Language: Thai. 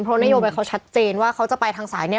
เพราะนโยบายเขาชัดเจนว่าเขาจะไปทางสายเนี่ย